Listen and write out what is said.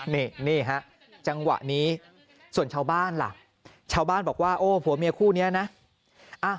นี่ฮะจังหวะนี้ส่วนชาวบ้านล่ะชาวบ้านบอกว่าโอ้ผัวเมียคู่นี้นะ